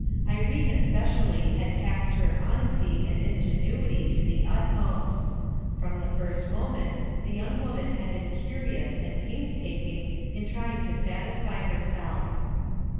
Irene, especially, had taxed her honesty and THEY HATED MYSTERY 259 ingenuity to the utmost From the first mo* ment, the young woman had been curious and painstaking in trying to satisfy herself.